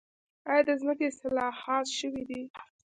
آیا د ځمکې اصلاحات شوي دي؟